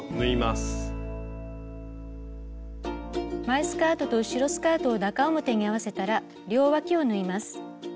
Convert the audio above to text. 前スカートと後ろスカートを中表に合わせたら両わきを縫います。